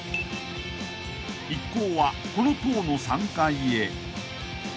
［一行はこの塔の３階へ］